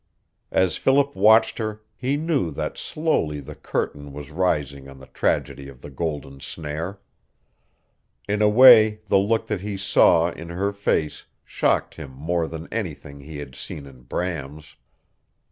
As Philip watched her he knew that slowly the curtain was rising on the tragedy of the golden snare. In a way the look that he saw in her face shocked him more than anything that he had seen in Bram's.